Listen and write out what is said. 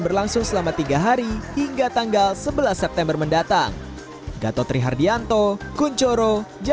berlangsung selama tiga hari hingga tanggal sebelas september mendatang gatotri hardianto kunchoro